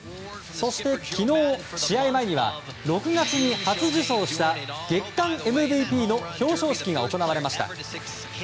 そして昨日、試合前には６月に初受賞した月間ＭＶＰの表彰式が行われました。